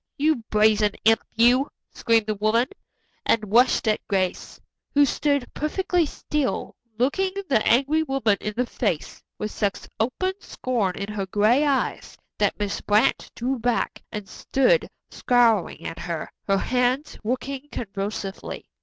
"You brazen imp, you," screamed the woman, and rushed at Grace, who stood perfectly still, looking the angry woman in the face with such open scorn in her gray eyes that Miss Brant drew back and stood scowling at her, her hands working convulsively.